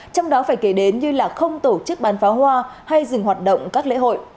trong đó phải kể đến như là không tổ chức bán pháo hoa hay dừng hoạt động các lễ hội